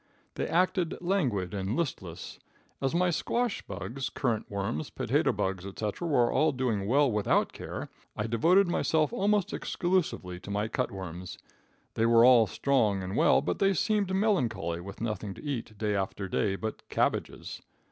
They acted languid and listless. As my squash bugs, currant worms, potato bugs, etc., were all doing well without care, I devoted myself almost exclusively to my cut worms. They were all strong and well, but they seemed melancholy with nothing to eat, day after day, but cabbages.